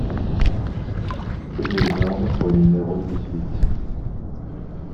Rue des Ormes au numéro dix-huit